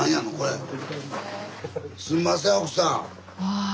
すんません奥さん。